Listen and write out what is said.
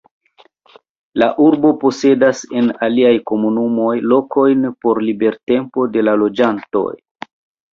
La urbo posedas en aliaj komunumoj lokojn por libertempo de la loĝantoj.